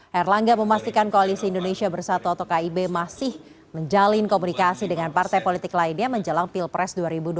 herlangga memastikan koalisi indonesia bersatu atau kib masih menjalin komunikasi dengan partai politik lainnya menjelang pilpres dua ribu dua puluh